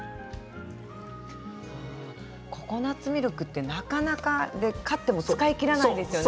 ココナツミルクってなかなか買っても使い切れないですよね